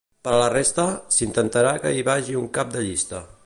Per a la resta, s’intentarà que hi vagi un cap de llista.